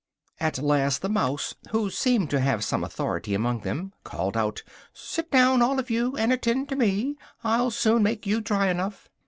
At last the mouse, who seemed to have some authority among them, called out "sit down, all of you, and attend to me! I'll soon make you dry enough!"